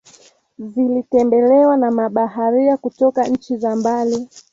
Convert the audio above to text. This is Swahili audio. zilitembelewa na mabaharia kutoka nchi za mbali